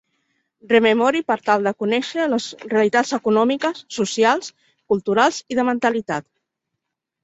Rememore per tal de conèixer les realitats econòmiques, socials, culturals i de mentalitat.